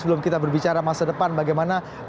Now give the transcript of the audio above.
sebelum kita berbicara masa depan bagaimana